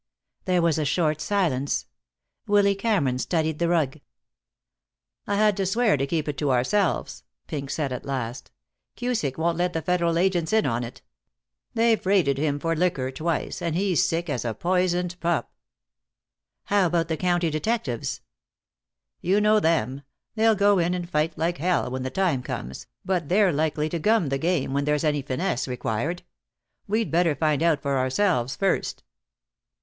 There was a short silence. Willy Cameron studied the rug. "I had to swear to keep it to ourselves," Pink said at last. "Cusick won't let the Federal agents in on it. They've raided him for liquor twice, and he's sick as a poisoned pup." "How about the county detectives?" "You know them. They'll go in and fight like hell when the time comes, but they're likely to gum the game where there's any finesse required. We'd better find out for ourselves first."